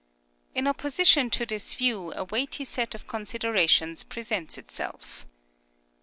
In opposi tion to this view a weighty set of considera tions presents itself.